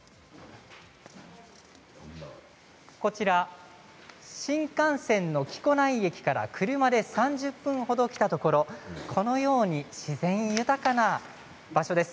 こちら新幹線の木古内駅から車で３０分ほど来たところ自然豊かな場所です。